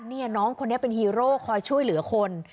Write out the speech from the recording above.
นี่น้องคนนี้เป็นฮีโร่คอยช่วยเหลือคน